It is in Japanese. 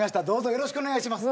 よろしくお願いします。